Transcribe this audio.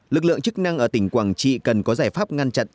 lực lượng chức năng ở tỉnh quảng trị cần có giải pháp ngăn chặn